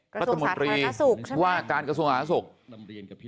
กระทรวงศาสนธารณสุขว่าการกระทรวงศาสนธารณสุข